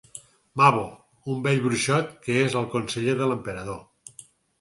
Mabo - Un vell bruixot que és el conseller de l'emperador.